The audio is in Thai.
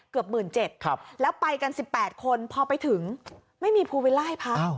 เกือบหมื่นเจ็ดครับแล้วไปกันสิบแปดคนพอไปถึงไม่มีภูวิล่าให้พักอ้าว